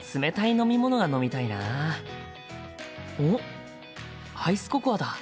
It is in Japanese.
おっアイスココアだ。